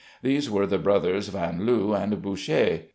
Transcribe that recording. These were the brothers Vanloo and Boucher.